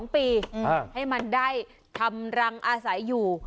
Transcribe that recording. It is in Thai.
๒ปีให้มันได้ทำรังอาศัยอยู่